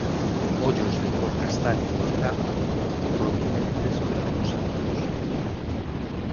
Ollos de cor castaña ou abelá; prominentes pero non saltóns.